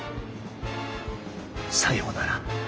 さようなら